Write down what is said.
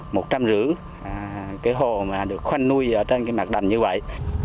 và cái hồ mà được khoanh nuôi ở trên cái mặt đầm như vậy